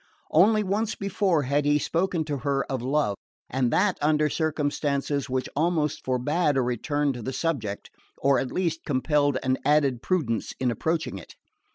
Only once before had he spoken to her of love, and that under circumstances which almost forbade a return to the subject, or at least compelled an added prudence in approaching it.